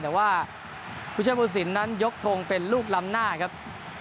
แต่ว่าผู้ชายผู้สินนั้นยกทงเป็นลูกลำหน้าครับ